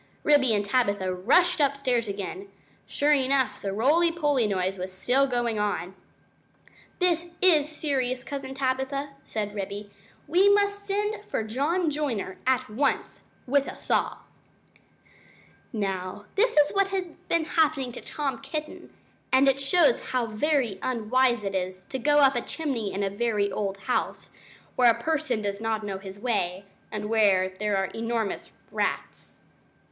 Ribby and Tabitha rushed upstairs again. Sure enough the roly poly noise was still going on quite distinctly under the attic floor. "This is serious, Cousin Tabitha," said Ribby. "We must send for John Joiner at once, with a saw." Now, this is what had been happening to Tom Kitten, and it shows how very unwise it is to go up a chimney in a very old house, where a person does not know his way, and where there are enormous rats.